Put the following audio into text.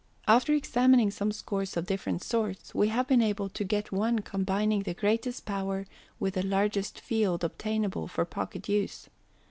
After examining some scores of different sorts, we have been able to get one combining the greatest power with the largest field obtainable for pocket use.